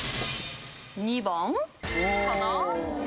２番かな？